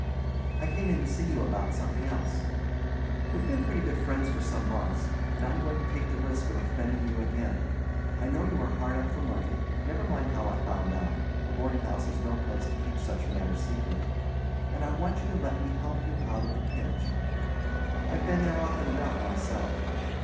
I came in to see you about something else. We've been pretty good friends for some months, and I'm going to take the risk of offending you again. I know you are hard up for money—never mind how I found out, a boarding house is no place to keep such matters secret—and I want you to let me help you out of the pinch. I've been there often enough myself.